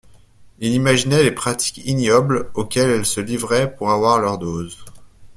il imaginait les pratiques ignobles auxquelles elles se livraient pour avoir leur dose.